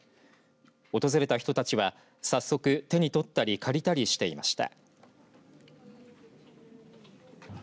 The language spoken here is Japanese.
訪れた人たちは早速手に取ったり借りたりしていました。